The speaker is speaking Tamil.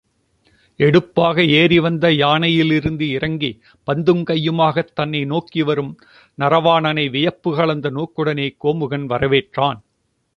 எடுப்பாக ஏறிவந்த யானையிலிருந்து இறங்கி, பந்தும் கையுமாகத் தன்னை நோக்கிவரும் நரவாணனை வியப்பு கலந்த நோக்குடனே கோமுகன் வரவேற்றான்.